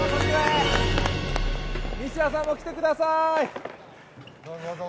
西矢さんも来てください。